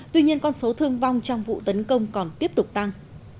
tuy nhiên con số thương vong trong vụ tấn công còn tiếp tục tăng